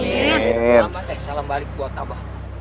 selamat ya salam balik buat aba